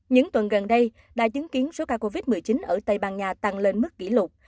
những tuần gần đây đã chứng kiến số ca covid một mươi chín ở tây ban nha tăng lên mức kỷ lục